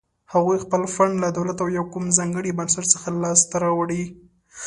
هغوی خپل فنډ له دولت او یا کوم ځانګړي بنسټ څخه لاس ته راوړي.